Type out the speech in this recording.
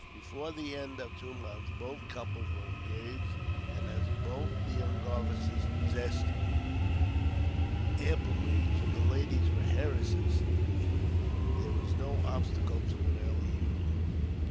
Before the end of two months, both couples were engaged; and as both the young officers possessed ample means, and the ladies were heiresses, there was no obstacle to an early union.